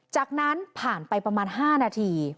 จากนั้นผ่านไปประมาณ๕นาที